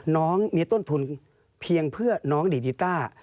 น้องมีต้นทุนเพียงเพื่อน้องดีกีต้า